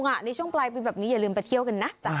ในช่วงปลายปีแบบนี้อย่าลืมไปเที่ยวกันนะ